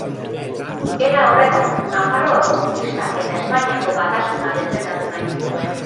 Era horretan, Nafarroako konkista eta Espainiako batasuna defendatu nahi zituen.